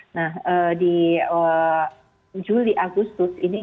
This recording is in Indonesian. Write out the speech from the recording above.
nah di juli agustus ini